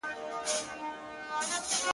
زه نو بيا څنگه مخ در واړومه~